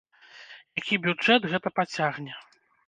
Які бюджэт гэта пацягне.